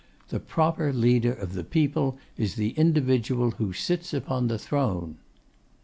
The proper leader of the people is the individual who sits upon the throne.